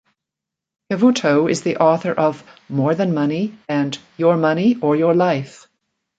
Cavuto is the author of "More Than Money" and "Your Money or Your Life".